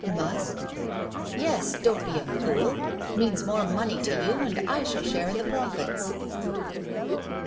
"Must?" "Yes; don't be a fool. It means more money to you, and I shall share in the profits."